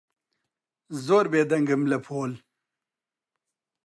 زۆر بێدەنگم لە پۆل.